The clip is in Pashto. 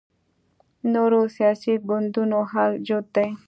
نورو سیاسي ګوندونو حال جوت دی